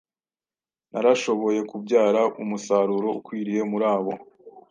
narashoboye kubyara umusaruro ukwiriye muri abo